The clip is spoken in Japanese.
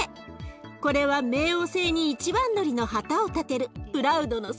これは冥王星に一番乗りの旗を立てるプラウドの姿。